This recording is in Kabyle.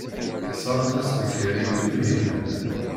Sɣant-as-d kra i Tunhinan.